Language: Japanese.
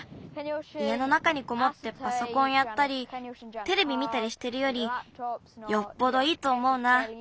いえの中にこもってパソコンやったりテレビ見たりしてるよりよっぽどいいとおもうな。